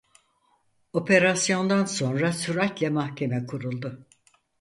Operasyondan sonra sür'atle mahkeme kuruldu.